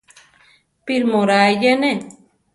¿Píri mu oraa eyene?